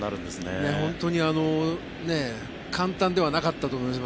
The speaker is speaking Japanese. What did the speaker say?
本当に簡単ではなかったと思います。